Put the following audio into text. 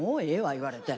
言われて。